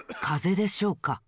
かぜでしょうか。